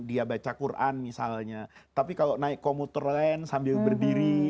dia baca quran misalnya tapi kalau naik komuter land sambil berdiri